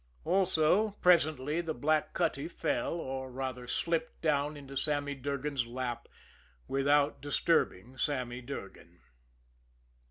Also, presently, the black cutty fell, or, rather, slipped down into Sammy Durgan's lap without disturbing Sammy Durgan.